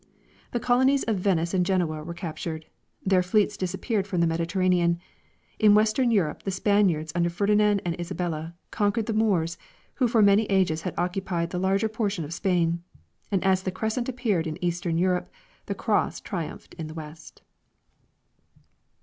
The colonies of Venice and Genoa were captured ; their fleets disappeared from the Mediterranean. In western Euroj)e the Spaniards under Ferdinand and Isabella conquered the Moors, Avho for many ages had occupied the larger portion of Spain ; and as the Crescent appeared in eastern Europe, the Cross triumphed in the west.